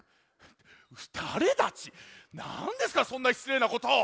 なんですかそんなしつれいなことを！